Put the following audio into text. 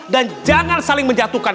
dan jangan saling menjatuhkan